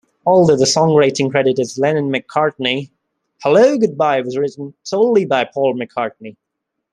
Although the songwriting credit is Lennon-McCartney, "Hello, Goodbye" was written solely by Paul McCartney.